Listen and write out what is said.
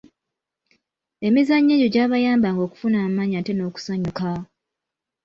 Emizannyo egyo gyabayambanga okufuna amaanyi ate n’okusanyukaa.